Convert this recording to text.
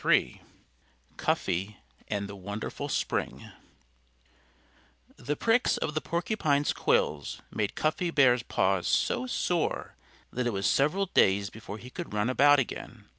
III CUFFY AND THE WONDERFUL SPRING The pricks of the porcupine's quills made Cuffy Bear's paws so sore that it was several days before he could run about again.